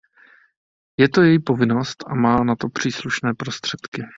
Je to její povinnost a má na to příslušné prostředky.